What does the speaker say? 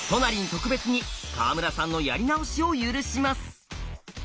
特別に川村さんのやり直しを許します。